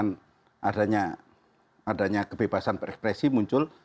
tentu saja dengan adanya kebebasan berepresi muncul